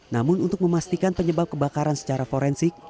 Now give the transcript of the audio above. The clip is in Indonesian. namun untuk memastikan penyebab kebakaran secara forensik